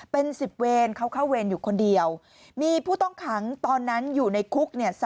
เป็น๑๐เวรเขาเข้าเวรอยู่คนเดียวมีผู้ต้องขังตอนนั้นอยู่ในคุกเนี่ย